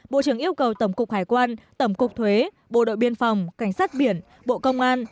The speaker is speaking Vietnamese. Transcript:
bộ trưởng yêu cầu tổng cục hải quan tổng cục thuế bộ đội biên phòng cảnh sát biển bộ công an